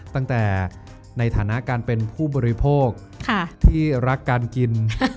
ตั้งแต่ในฐานะการเป็นผู้บริโภคที่รักการกิน